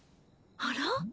あら？